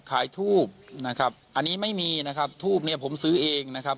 ถูบนะครับอันนี้ไม่มีนะครับทูบเนี่ยผมซื้อเองนะครับ